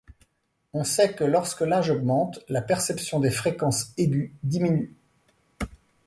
On sait que lorsque l'âge augmente, la perception des fréquences aiguës diminue.